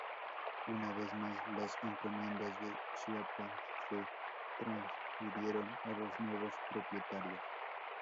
Una vez más, las encomiendas de Chiapa se transfirieron a los nuevos propietarios.